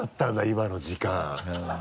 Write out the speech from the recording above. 今の時間。